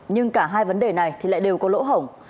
nhưng cả hai vấn đề này thì lại đều có lỗ hỏng